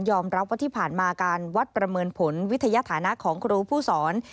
รับว่าที่ผ่านมาการวัดประเมินผลวิทยาฐานะของครูผู้สอน